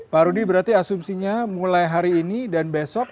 pak rudy berarti asumsinya mulai hari ini dan besok